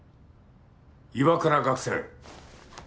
岩倉学生。